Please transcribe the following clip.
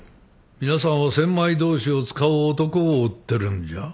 皆さんは千枚通しを使う男を追ってるんじゃ？